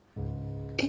えっ？